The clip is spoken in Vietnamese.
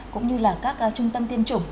cũng như là các trung tâm tiêm chủng